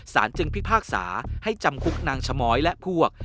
จึงพิพากษาให้จำคุกนางชะม้อยและพวก